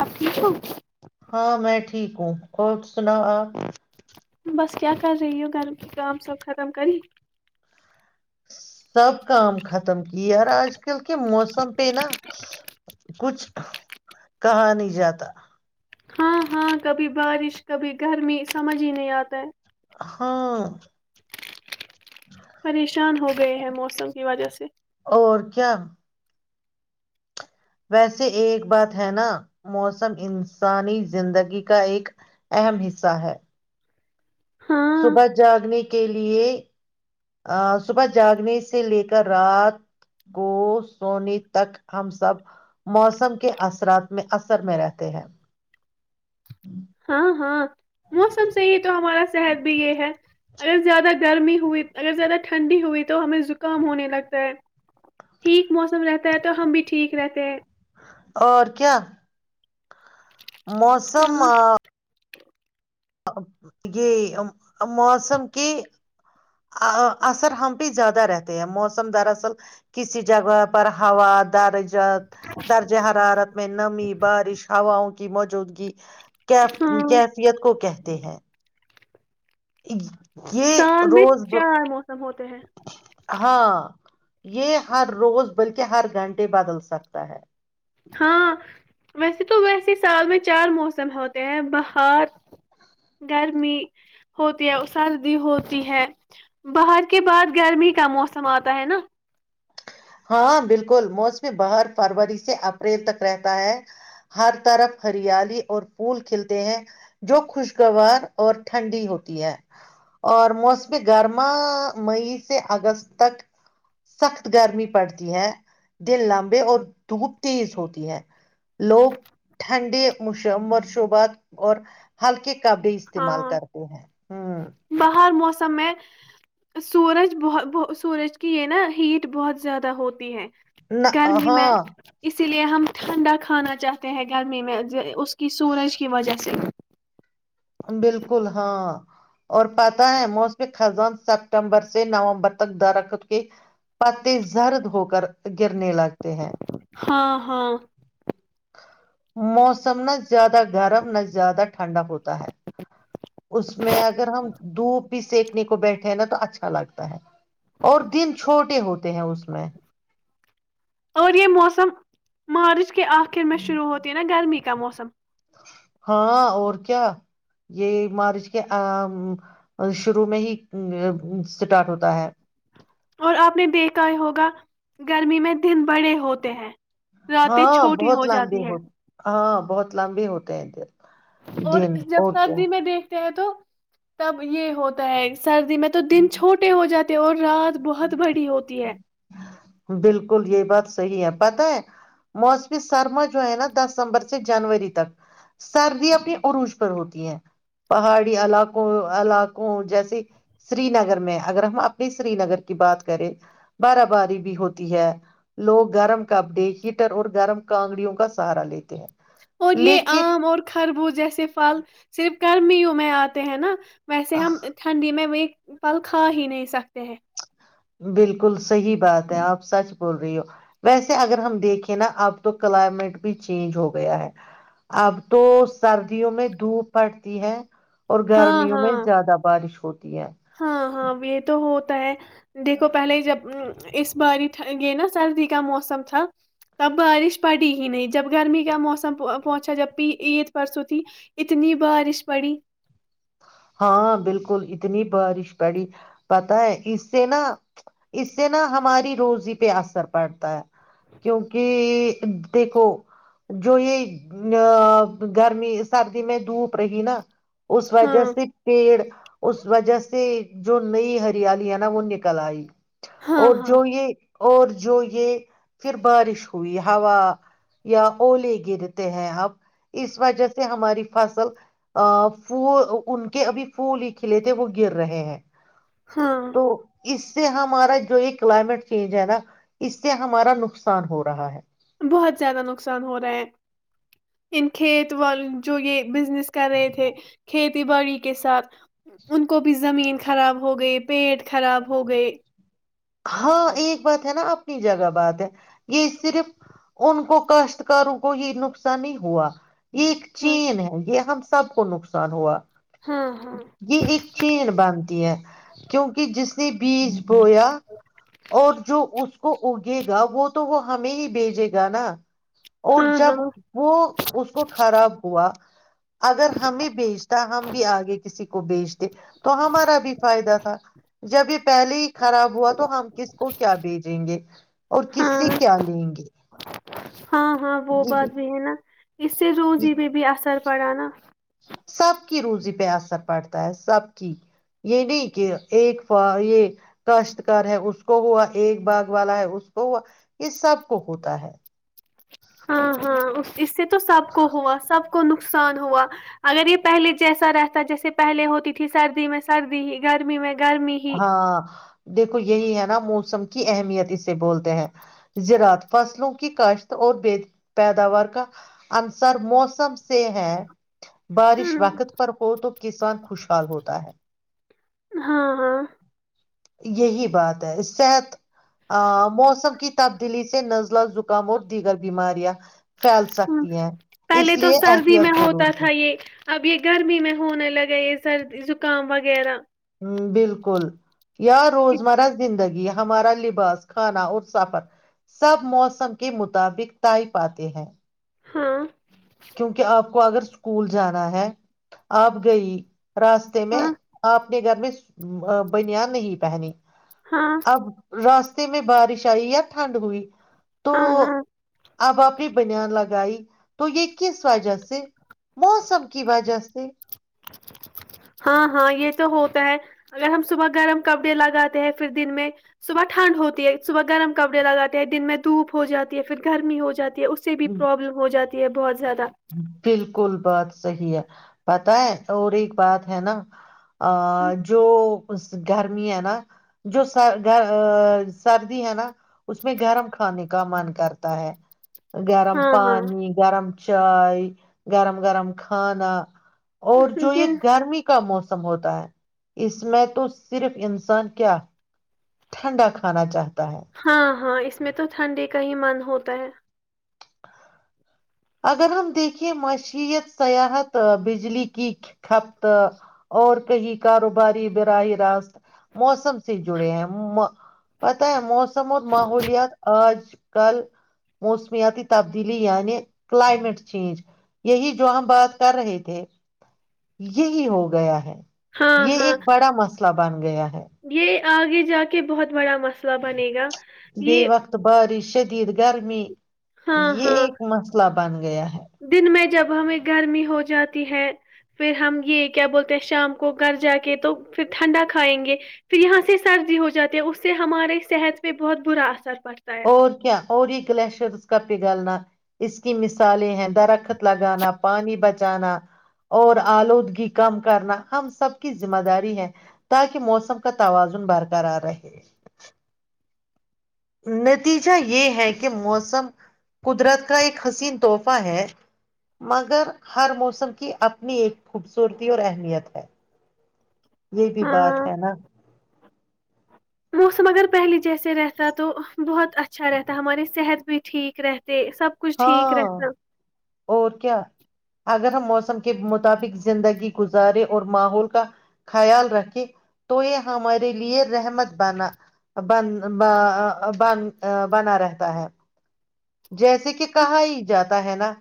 آپ ٹھیک ہو ہاں میں ٹھیک ہوں اور سنا آ بس کیا کر رہی یہ گھر کام سب ختم کرے سب کام ختم کیے یار آج کل کے موسم پہ نا کچھ کہا نہیں جاتا ہاں ہاں کبھی بارش کبھی گرمی سمجھ ہی نہیں آتا ہے ہاں پریشان ہو گئے ہیں موسم کی وجہ سے جم [unintelligible] ویسے ایک بات ہے نا موسم انسانی زندگی کا ایک اہم حصہ ہے ہاں صبح جاگنی کے لیے صبح جاگنے سے لے کر رات کو سونے تک ہم سب موسم کے اثرات میں اثر میں رہتے ہیں ہاں ہاں موسم سے یہ تو ہمارا صحت بھی یہ ہے اگر زیادہ گرمی ہوئی اگر زیادہ ٹھنڈی ہوئی تو ہمیں زکام ہونے لگتا ہے ٹھیک موسم رہتا ہے تو ہم بھی ٹھیک رہتے ہیں اور کیا موسم ہاں یہ موسم کی اثر ہم بھیہ زیادہ رہتے ہیں موسم دراصل کسی جگہ پر ہوا در درجہ حرارت میں نمی بارش ہواؤں کی کی موجودگی کی ہاں کیفیت کو کہ تے ہیں ایکگ سال میں چار موسم ہوتے ہیں ہاں یہ ہر روز بلکہ ہر گھنٹے بدل سکتا ہے ہاں ویسے تو ویسے سال میں چار موسم ہوتے ہیں باہر گرمی ہوتی ہے سردی ہوتی ہے باہر کے بعد گرمی کا موسم آتا ہے نا ہاں بالکل موسم بہر فروری سے اپریل تک رہتا ہے ہر طرف ہریالی اور پھول کھلتے ہیں جو خوشگوار اور ٹھنڈی ہوتی ہے اور موسم گرما مئی سے اگست تک سخت گرمی پڑتی ہے دن لمبے اور دھوپ تیز ہوتی ہے لوگ ٹھنڈے مرشوبات اور ہلکے کابی استعمال ہاں کرتے ہیں ہ سم سورج بت سورج کی یہ نا ہیٹ بہت زیادہ ہوتی ہے نہ گرمی میں ہاں اسی لیے ہم ٹھنڈا کھانا چاہتے ہیں گرمی میں اس اس کی سورج کی وجہ سے بالکل ہاں اور پتا ہے موسم خزان سپٹمبر سے نومبر تک درخت کے پتے زرد ہو کر گرنے لگتے ہیں ہاں ہاں موسم نہ زیادہ گرم نہ زیادہ ٹھنڈا ہوتا ہے اس میں اگر ہم دھوپ بھی سکنے کو بیٹھے ہیں نا تو اچھا لگتا ہے اور دن چھوٹے ہوتے ہیں اس میں اور یہ موسم مارچ ک آخر میں شروع ہوتی نا گرمی کا موسم ہاں اور کیا یہ مارچ کے شروع میں ہی اسٹارٹ ہوتا ہے اور آپ نے دیکھا یہ ہوگا گرمی میں دن بڑے ہوتے ہیں راتیں ہاں چھوٹی بہت ہو لمبی جاتی ہے ہوت ہاں بہت لمبے ہوتے ہیں ادھر اور جب سردی میں دیکھتے ہیں تو تو تب یہ ہوتا ہے سردی میں تو دن چھوٹے ہو جاتے اور رات بہت بڑی ہوتی ہے بالکل یہ بات صحیح ہے پت ہے موسمی سرما جو ہے نا دسمبر سے جنوری تک سردیا اپنے عروج پر ہوتی ہیں پہاڑی علاقوں علاقوں جیسے سری نگر میں اگر ہم اپنی سری نگر کی بات کریں بارہ باری بھی ہوتی ہے لوگ گرم کپڑے ہیٹر اور گرم کانگڑیوں کا سہارا لیتے ہیں اور یہ لیکن آم اور خربوز جیسے پھل صرف گرمی میں آتے ہیں نا ویسے ہم ٹھنڈی میں وہ پل کھا ہی نہیں سکتے ہیں بالکل صحیح بات ہے آپ سچ بول رہی ہو ویسے اگر ہم دیکھیں نا اب تو کلائمیٹ بھی چینج ہو گیا ہے اب تو سردیوں میں دھوپ پٹتی ہے اور ہاں گرمیوں ہاں میں زیادہ بارش ہوتی ہے ہاں ہاں یہ تو ہوتا ہے دیکھو پہلے جب اس باری یہ نا سردی کا موسم تھا تب بارش پڑی ہی نہیں جب گرمی کا موسم پہنچا جب بھی عید پرسوں تھی اتنی بارش پڑی ہاں بالکل اتنی بارش پڑی پتا ہے اس سے نا اس سے نا ہماری روزی پہ اثر پڑتا ہے کیونکہ دیکھو جو یہ گرمی سردی میں دھوپ رہی نا اس ہاں وجہ سے س پیڑ اس وجہ سے جو نئی ہریالی ہے نا وہ نکل آئی ہاں اور ہاں جو یہ اور جو یہ پھر بارش ہوئی ہوا یا الے گرتے ہیں ہمب اس وجہ سے ہماری فصل ف ان کے ابھی پھول ہی کھلے تھے وہ گر رہے ہیں ہاں تو اس سے ہمارا جو یہ کلائمیٹ چینج ہے نا اس سے ہمارا نقصان ہو رہا ہے بہت زیادہ نقصان ہو رہا ہے ان کھیت وال جو یہ بزنس کر رہے تھے کھیت کھیتی باڑی کے ساتھ ان کو بھی زمین خراب ہو گئے پیٹ خراب ہو گئے ہاں ایک بات ہے نا اپنی جگہ بات ہے یہ صرف ان کو کاشتکاروں کو یہ نقصان ہی ہوا یہ ایک ہاں چین ہے یہ ہم سب کو نقصان ہوا ہاں جی ایک چین باندتی ہے کیونکہ جس نے بیج بویا اور جو اس کو اگے گا وہ تو وہ ہمیں ہی بھیجے گا نا اور ہاں ہاں جب ہاں وہ اس کو خراب ہوا اگر ہمیں بیچتا ہم بھی آگے کسی کو بیچتے تو ہمارا بھی فائدہ تھا جب یہ پہلے ہی خراب تو ہم کس کو کیا بھیجیں گے اور کس سے ہاں کیا لیں گے ہاں ہاں وہ جی جی بات بھی ہے نا اس سے روزی میں بھی سر پڑا نا سب کی روزی پہ اثر پڑتا ہے سب کی یہ نہیں کہ ایک ف یہ کاشتکار ہے اس کو ہوا ایک باغ والا ہے اس کو ہوا یہ سب کو ہوتا ہے ہاں ہاں اس سے تو سب کو ہوا سب کو نقصان ہوا اگر یہ پہلے جیسا رہتا جیسے پہلے ہوتی تھی سردی میں سردی ہی گرمی میں گرمی ہی ہاں دیکھو یہی ہے نا موسم کی اہمیت اسے بولتے ہیں زراعات فصلوں کی کاشت اور ب پیداوار کا انصر موسم سے ہے بارش ہاں وقت پر ہو تو کسان خوشحال ہوتا ہے ہاں ہاں یہی بات ہے صحت موسم کی تبدیلی سے نزلہ زکام اور دیگر بیماریاں پھیل ہوں سکتی ہے پہلے اس تو لیے سردی احتیات میں ضرور ہوتا ہے تھا یہ اب یہ گرمی میں ہونے لگے یہ سردی زکام وغیرہ بالکل یا روز مرہ زندگی یہ ہمارا لباس کھانا اور سفر سب موسم کے مطابق طائی پاتے ہیں ہاں کیونکہ آپ کو اگر اسکول جانا ہے آپ گئی راستے میں ہاں آپنے گھر میں ا بنیا نہیں پہنی ہاں اب رست میں بارش آئی یا ٹھنڈ ہوئی تو ہاں ہاں آبپنی بنان لگائی تو یہ کس وجہ سے موسم کی وجہ سے ہاں ہاں یہ تو ہوتا ہے اگر ہم صبح گرم کپڑے لگاتے ہیں پھر دن میں صبح ٹھنڈ ہوتی ہے صبح گرم کپڑے لگاتے ہیں دن میں دھوپ ہو جاتی ہے پھر گرمی ہو جاتی اس سے بھی پرابلم ہو جاتی یہ بہت زیادہ بالکل بات صحی ہے پتا ہے اور ایک بات ہے نا جو گرمی ہے نا جو س سردی ہے نا اس میں گرم کھانے کا من کرتا ہے گرم ہاں ہاں پانی گرم چائے گرم گرم کھانا اور جو یہ دن گرمی کا موسم ہوتا ہے اس میں تو صرف انسان کیا ٹھنڈا کھانا چاہتا ہے ہاں ہاں اس میں تو ٹھنڈی کا ہی من ہوتا تا ہے [unintelligible] اگر ہم دیکھے معشت سیاحت بجلی کی کپت اور کہیں کاروباری براہ راست موسم سے جڑے ہیں پتاہ ہے موسم س م محولیات آج کل موسمیاتی تبدیلی یعنی کلائمیٹ چینج یہی جو ہم بات کر رہے تھے یہی ہو گیا ہے ہاں یہ ہاں ایک بڑا مسئلہ بن گیا ہے یہ آگے جا کے بہت بڑا مسئلہ بنے گا یہ ید گرمی ہاں یہ ہاں ایک مسئلہ بند دن میں جب ہمیں گرمی ہو جاتی ہے پھر ہم یہ کیا بولتے ہیں شام کو گھر جا کے تو پھر ٹھنڈا کھائیں گے پھر یہاں سے سردی ہو جاتی ہے اس سے ہمارے صحت پہ بہت برا اثر پڑتا ہے اور کیا اور یہ گلیشئر اس کا پ گالنا اس کی مثالیں ہیں درخت لگانا پانی بچانا اور آلودگی کم کرنا ہم سب کی ذمہ داری ہے تاکہ موسم کا توازن برقرار رہے نتیجہ یہ ہے کہ موسم قدرت کا ایک حسین تحفہ ہے مگر ہر موسم کی اپنی ایک خوبصورتی اور اہمیت ہے یہ بھی بات ہاں ہے نا موسم اگر پہلے جیسے رہتا تو بہت اچھا رہتا ہے ہمارے صحت بھی ٹھیک رہے ہاں اور کیا اگر ہم موسم کے مطابق زندگی گزارے اور ماحول کا خیال رکھے تو یہ ہمارے لیے رحمت بنا بن بنا رہتا ہے جیسے کہ ہاں کہا ہی جاتا ہے نا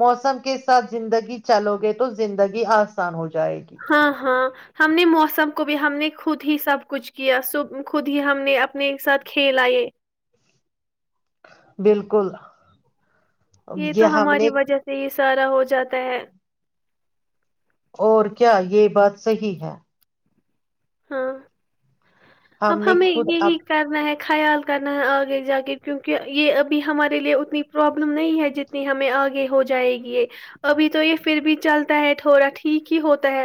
موسم کے ساتھ زندگی چلو گے تو زندگی آسان ہو جائے گی ہاں ہاں ہم نے موسم کو بھی ہم نے خود ہی سب کچھ کیا سب خود ہی ہم نے اپنے ساتھ کھیلئے بالکل یہ تو ہم ہماری نے وجہ سے ہی سارا ہو جاتا ہے اور کیا یہ بات صحیح ہے ہاں اب ہم نے ہمیں خود اب یہی کرنا ہے خیال کرنا ہے آگے جا کے کیونکہ یہ ابھی ہمارے لیے اتنی پرابلم نہیں ہے جتنی ہمیں آگے ہو جائے گی یہ ابھی تو یہ پھر بھی چلتا ہے تھوڑا ٹھیک ہی ہوتا ہے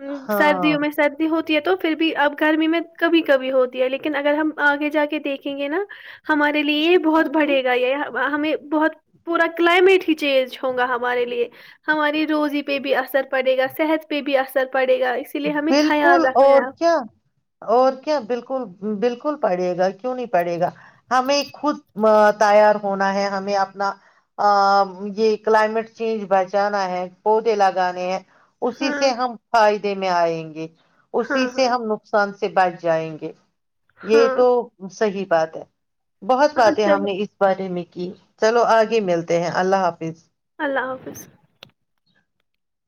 ا ہاں سردیوں میں سردی ہوتی تو پھر بھی اب گرمی میں کبھی کبھی ہوتی ہے لیکن اگر ہم آگے جا کے دیکھیں گے نا ہمارے لیے یہ بہت بڑھے گا یہ ہمیں بہت پورا کلائمیٹ ہی چینج ہوگا ہمارے لیے ہماری روزی پہ بھی اثر پڑے گا صحت پہ بھی اثر پڑے گا اسی لیے ہمیں خیال بالکل رکھنا ہے اور آپ کیا اور کیا بالکل بالکل پڑے گا کیوں نہیں پڑے گا ہمیں خود تیار ہونا ہے ہمیں اپنا یہ کلائمیٹ چینج بچانا ہے پودے لگانے ہیں اسی ہاں سے ہم فائد میں آئیں گے ہاں اسی سے ہاں ہم نقصان سے بچ جائیں گے یہ ہاں تو صحی بات ہے بہت ہاں باتیں ہم چلو نے اس بارے میں چلو آگے ملتے ہیں اللہ حافظ اللہ حافظ ج